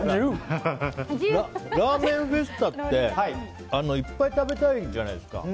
ラーメンフェスタっていっぱい食べたいじゃないですか。